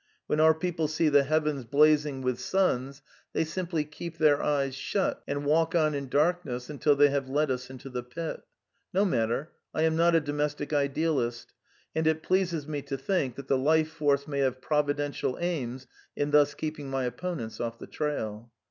When our people see the heavens •• Preface: 1913 xvu blazing with suns, they simply keep their eyes shut, and walk on in darkness until they have led us into the pit No matter : I am not a domestic idealist ; and it pleases me to think that the Life Force may have providential aims in thus keep ing my opponents off the trail.